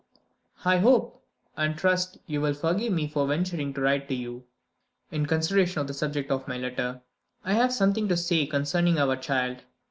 "I hope and trust you will forgive me for venturing to write to you, in consideration of the subject of my letter. I have something to say concerning our child.